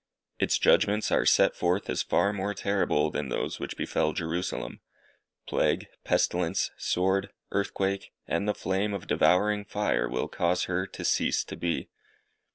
Its judgments are set forth as far more terrible than those which befell Jerusalem. Plague, pestilence, sword, earthquake, and the flame of devouring fire will cause her to cease to be.